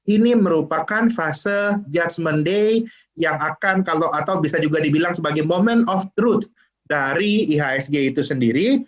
ini merupakan fase judgment day yang akan kalau atau bisa juga dibilang sebagai momen of truth dari ihsg itu sendiri